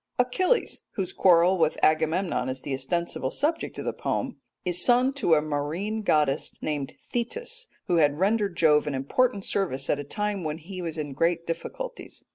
Achilles, whose quarrel with Agamemnon is the ostensible subject of the poem, is son to a marine goddess named Thetis, who had rendered Jove an important service at a time when he was in great difficulties.